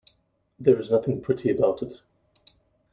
There is nothing pretty about it.